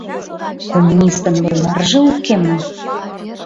Коммунистын логарже уке мо?